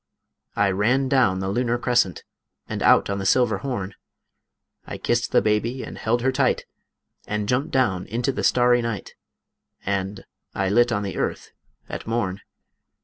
I ran down the lunar crescent, 'And out on the silver horn; I kissed the baby and held her tight, And jumped down into the starry night, And I lit on the earth at morn.